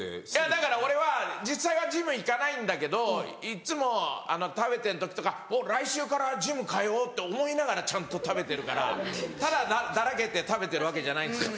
だから俺は実際はジム行かないんだけどいっつも食べてる時とかおっ来週からジム通おうって思いながらちゃんと食べてるからただだらけて食べてるわけじゃないんですよ。